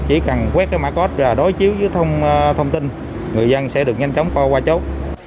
chỉ cần quét cái mã code rồi đối chiếu với thông tin người dân sẽ được nhanh chóng qua qua chốt